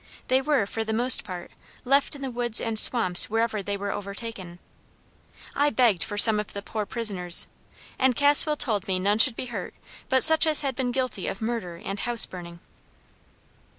They were, for the most part, left in the woods and swamps wherever they were overtaken. I begged for some of the poor prisoners, and Caswell told me none should be hurt but such as had been guilty of murder and house burning.